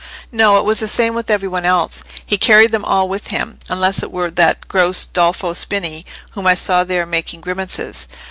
"No; it was the same with every one else. He carried them all with him; unless it were that gross Dolfo Spini, whom I saw there making grimaces.